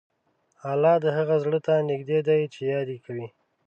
الله د هغه زړه ته نږدې دی چې یاد یې کوي.